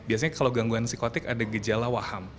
biasanya kalau gangguan psikotik ada gejala waham